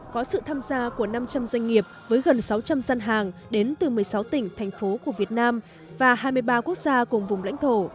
có sự tham gia của năm trăm linh doanh nghiệp với gần sáu trăm linh dân hàng đến từ một mươi sáu tỉnh thành phố của việt nam và hai mươi ba quốc gia cùng vùng lãnh thổ